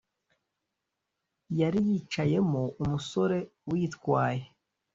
yariyicayemo umusore uyitwaye